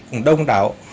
cùng đông đảo